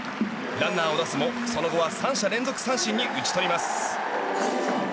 ランナーを出すもその後は３者連続三振に打ち取ります。